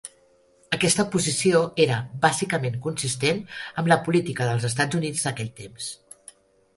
Aquesta posició era bàsicament consistent amb la política dels Estats Units d'aquell temps.